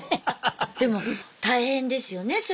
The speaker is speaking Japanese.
でも大変ですよね